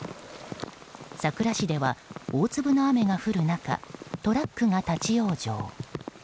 佐倉市では大粒の雨が降る中トラックが立ち往生。